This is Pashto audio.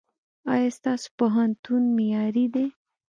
ایا ستاسو پوهنتون معیاري دی؟